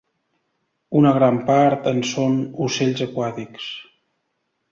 Una gran part en són ocells aquàtics.